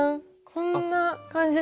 こんな感じの。